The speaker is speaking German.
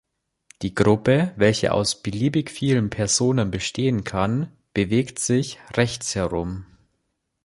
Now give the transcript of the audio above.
Die Gruppe, welche aus beliebig vielen Personen bestehen kann, bewegt sich rechtsherum.